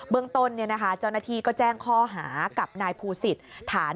เมืองต้นเจ้าหน้าที่ก็แจ้งข้อหากับนายภูศิษฐ์ฐาน